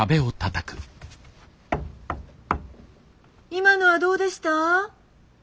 今のはどうでした？